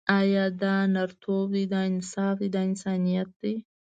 آیا دا نرتوب دی، دا انصاف دی، دا انسانیت دی.